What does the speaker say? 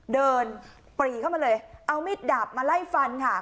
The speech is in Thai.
ปรีเข้ามาเลยเอามิดดาบมาไล่ฟันค่ะ